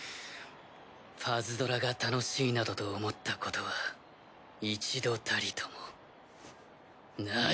パズドラが楽しいなどと思ったことは一度たりともない！